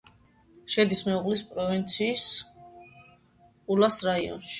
შედის მუღლის პროვინციის ულას რაიონში.